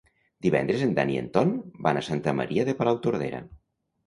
Divendres en Dan i en Ton van a Santa Maria de Palautordera.